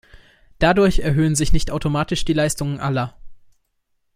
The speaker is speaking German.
Dadurch erhöhen sich nicht automatisch die Leistungen aller.